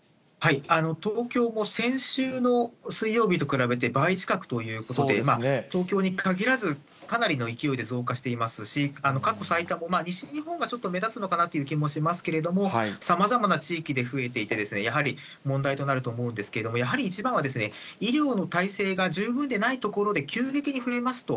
東京も先週の水曜日と比べて、倍近くということで、東京に限らず、かなりの勢いで増加していますし、過去最多の、ちょっと西日本が目立つのかなという気がしますが、さまざまな地域で増えていて、やはり問題となると思うんですけれども、やはり一番は医療の体制が十分でない所で急激に増えますと、